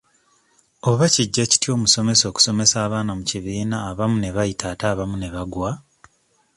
Oba kijja kitya omusomesa okusomesa abaana mu kibiina abamu ne bayita ate abamu ne bagwa?